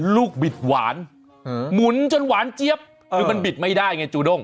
บิดหวานหมุนจนหวานเจี๊ยบคือมันบิดไม่ได้ไงจูด้ง